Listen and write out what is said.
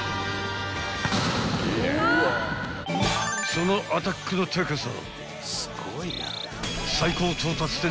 ［そのアタックの高さ］